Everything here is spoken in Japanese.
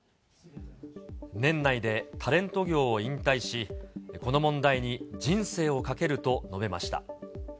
年内でタレント業を引退し、この問題に人生をかけると述べました。